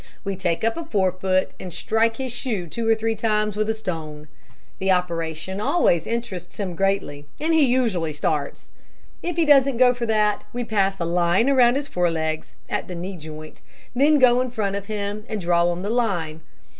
We take up a forefoot and strike his shoe two or three times with a stone. The operation always interests him greatly, and he usually starts. If he doesn't go for that, we pass a line round his forelegs, at the knee joint, then go in front of him and draw on the line.